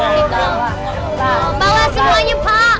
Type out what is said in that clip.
hai bawa semuanya pak